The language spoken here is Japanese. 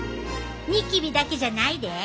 ニキビだけじゃないで。